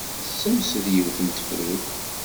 Tessemsed yiwet n tefrut.